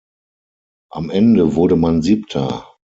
Am Ende wurde man Siebter.